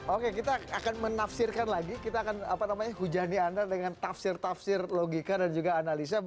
oke kita akan menafsirkan lagi kita akan hujani anda dengan tafsir tafsir logika dan juga analisa